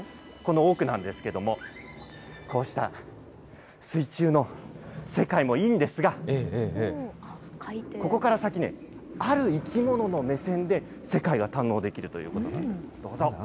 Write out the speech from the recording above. この奥なんですけども、こうした水中の世界もいいんですが、ここから先、ある生き物の目線で世界が堪能できるということなんです。